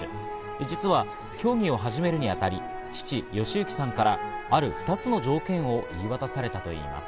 実は競技を始めるにあたり父・義行さんからある２つの条件を言い渡されたといいます。